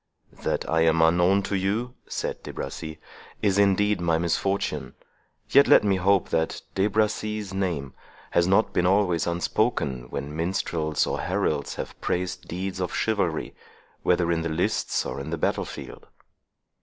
"That I am unknown to you," said De Bracy, "is indeed my misfortune; yet let me hope that De Bracy's name has not been always unspoken, when minstrels or heralds have praised deeds of chivalry, whether in the lists or in the battle field."